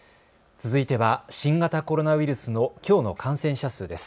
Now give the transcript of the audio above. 続いては新型コロナウイルスのきょうの感染者数です。